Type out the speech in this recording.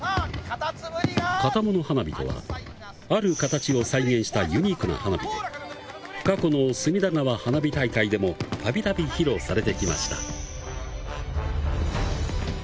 型物花火とは、ある形を再現したユニークな花火で過去の隅田川花火大会でもたびたび披露されてきました。